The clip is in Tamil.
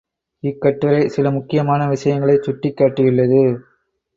இக்கட்டுரை சில முக்கியமான விஷயங்களைச் சுட்டிக் காட்டியுள்ளது.